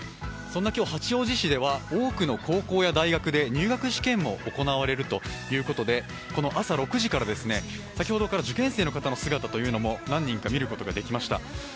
そんな八王子市では多くの高校や大学で入学試験も行われるということで朝６時から、先ほどから受験生の姿も何人か見ることができました。